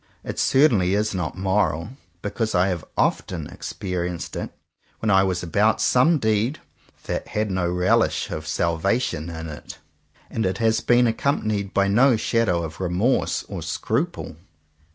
It certainly is not moral, because I have often experienced it when I was about some deed "that had no relish of salvation in't/' and it has been accompanied by no shadow of remorse or scruple.